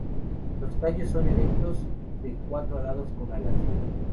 Los tallos son erectos, de cuatro lados con alas.